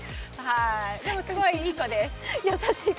でもすごい、いい子です。